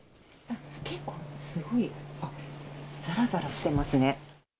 結構すごい、ざらざらしてますね。